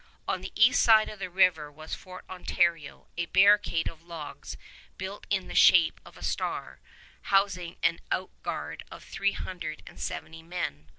On the east side of the river was Fort Ontario, a barricade of logs built in the shape of a star, housing an outguard of three hundred and seventy men.